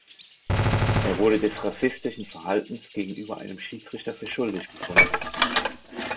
Er wurde des „rassistischen Verhaltens“ gegenüber einem Schiedsrichter für schuldig befunden.